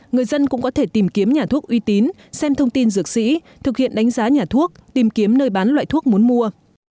người dân cũng có thể tìm kiếm nhà thuốc uy tín xem thông tin dược sĩ thực hiện đánh giá nhà thuốc tìm kiếm nơi bán loại thuốc muốn mua